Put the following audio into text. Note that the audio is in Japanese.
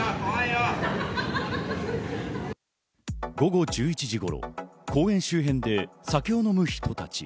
午後１１時頃、公園周辺で酒を飲む人たち。